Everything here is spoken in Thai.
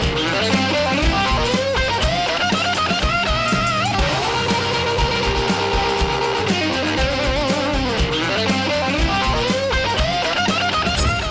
โปรดติดตาม